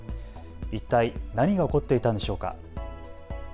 一体、何が起こっていたんでしょうか。